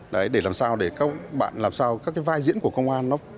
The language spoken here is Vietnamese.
đấy để làm sao để các bạn làm sao các cái vai diễn của công an nó